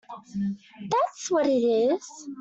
That’s what it is!